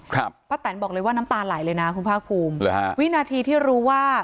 ป้าแตนบอกเลยว่าน้ำตาไหลเลยนะคุณภาคภูมิหรือฮะวินาทีที่รู้ว่า